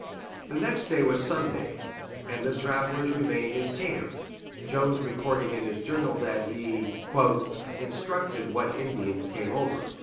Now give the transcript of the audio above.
The next day was Sunday, and the travelers remained in camp, Jones recording in his journal that he "instructed what Indians came over."